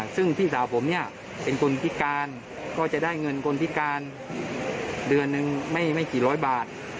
ซึ่งพี่สาวผมเนี่ยเป็นคนพิการก็จะได้เงินคนพิการเดือนนึงไม่กี่ร้อยบาท